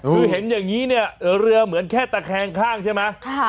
คือเห็นอย่างนี้เนี่ยเรือเหมือนแค่ตะแคงข้างใช่ไหม